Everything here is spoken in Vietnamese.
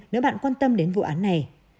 nếu bạn quan tâm đến vụ án này